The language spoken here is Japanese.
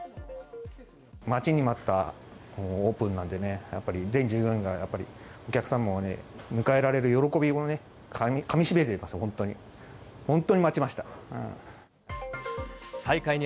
待ちに待ったオープンなんでね、やっぱり全従業員がやっぱり、お客さんを迎えられる喜びをね、かみしめています、本当に。